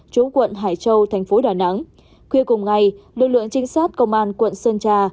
chú quận hải châu thành phố đà nẵng khuya cùng ngày lực lượng trinh sát công an quận sơn trà